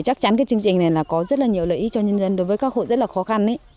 chắc chắn chương trình này có rất nhiều lợi ý cho nhân dân đối với các hộ rất khó khăn